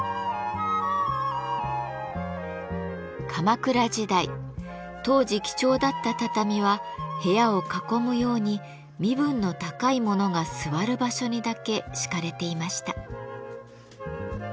鎌倉時代当時貴重だった畳は部屋を囲むように身分の高い者が座る場所にだけ敷かれていました。